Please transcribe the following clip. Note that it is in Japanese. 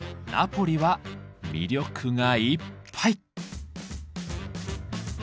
ナポリは魅力がいっぱい！